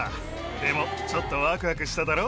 でもちょっとワクワクしただろ？